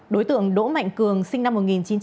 đối tượng đỗ mạnh cường sinh năm một nghìn chín trăm tám mươi